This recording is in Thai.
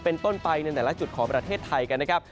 เป็นต้นไปในแต่ละจุดของประเทศไทยกันนะครับ